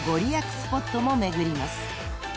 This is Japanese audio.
スポットも巡ります］